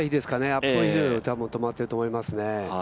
アップヒルのとこで止まってると思いますね。